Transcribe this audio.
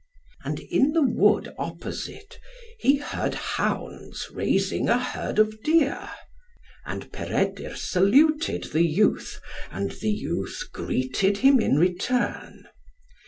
And in the wood opposite he heard hounds raising a herd of deer. And Peredur saluted the youth, and the youth greeted him in return.